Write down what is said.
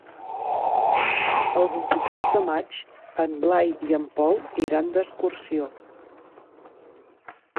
El vint-i-tres de maig en Blai i en Pol iran d'excursió.